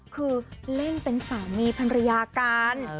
คือเล่นเป็นสามีภรรยากัน